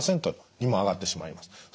９％にも上がってしまいます。